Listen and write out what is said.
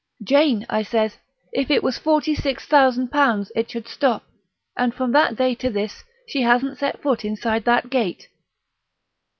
"'Jane,' I says, 'if it was forty six thousand pounds it should stop'... and from that day to this she hasn't set foot inside that gate."